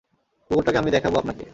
কুকুরটাকে আমি দেখাবো আপনাকে।